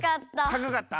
たかかった？